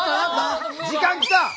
時間きた！